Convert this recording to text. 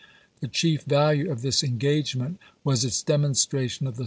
The chief value of this engagement was its demonstration of the Vol.